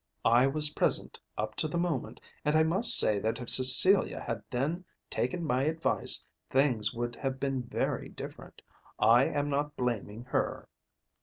"I was present up to the moment, and I must say that if Cecilia had then taken my advice things would have been very different. I am not blaming her."